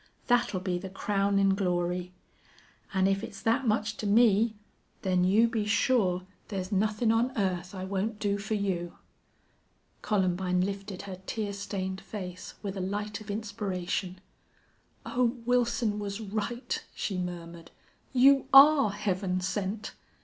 That'll be the crownin' glory. An' if it's that much to me, then you be sure there's nothin' on earth I won't do for you." Columbine lifted her tear stained face with a light of inspiration. "Oh, Wilson was right!" she murmured. "You are Heaven sent!